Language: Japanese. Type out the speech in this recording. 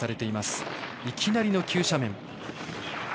いきなりの急斜面。